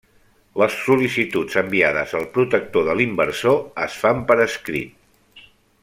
Les sol·licituds enviades al Protector de l'Inversor es fan per escrit.